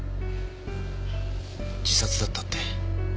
自殺だったって。